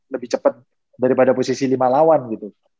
lebih cepet daripada posisi lima lawan gitu